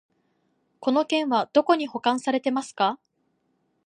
この件はどこに保管されてますか？